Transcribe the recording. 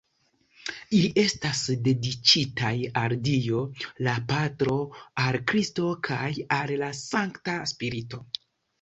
Ili estas dediĉitaj al Dio, la patro, al Kristo kaj al la Sankta Spirito.